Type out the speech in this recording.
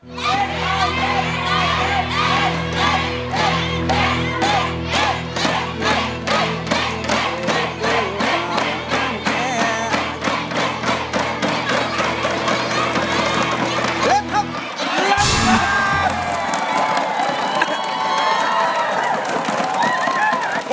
เล่นครับเล่นครับ